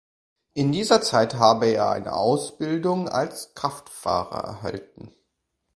In dieser Zeit habe er eine Ausbildung als Kraftfahrer erhalten.